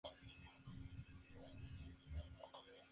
Vichy-Clermont de la Pro B, la segunda división francesa.